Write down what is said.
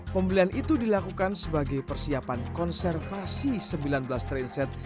pembelian itu dilakukan sebagai persiapan konservasi sembilan belas trainset